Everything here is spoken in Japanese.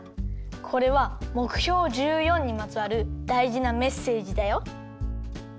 これはもくひょう１４にまつわるだいじなメッセージだよ。